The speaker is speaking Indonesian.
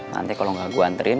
nanti kalo gak gua anterin